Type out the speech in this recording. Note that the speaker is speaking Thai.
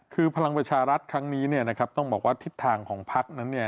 คือพลังประชารัฐครั้งนี้เนี่ยนะครับต้องบอกว่าทิศทางของพักนั้นเนี่ย